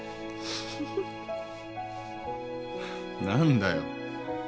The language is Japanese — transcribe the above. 何だよ？